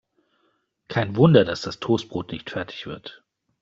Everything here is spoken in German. Kein Wunder, dass das Toastbrot nicht fertig wird.